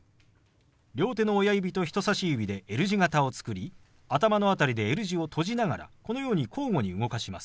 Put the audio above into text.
両手の親指と人さし指でＬ字型を作り頭の辺りでＬ字を閉じながらこのように交互に動かします。